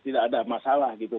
tidak ada masalah gitu